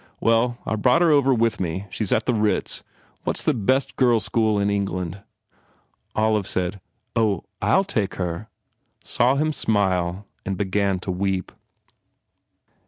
Well, I brought her over with me. She s at the Ritz. What s the best girls school in England?" Olive said, "Oh, I ll take her," saw him smile and began to weep.